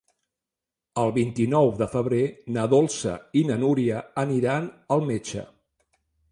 El vint-i-nou de febrer na Dolça i na Núria aniran al metge.